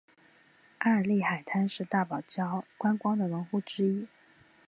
埃尔利海滩是大堡礁观光的门户之一。